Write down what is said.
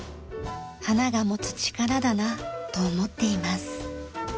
花が持つ力だなと思っています。